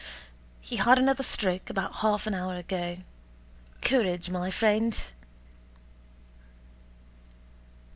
"He had another stroke about half an hour ago. Courage, my friend..."